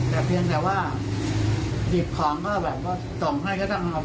แต่เพียงแต่ว่าหยิบของก็ส่งให้ก็ต้องเอาตังค์ใช่ไหม